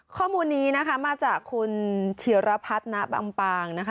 ข้อมูลนี้มาจากคุณเทียรพัทณปางนะคะ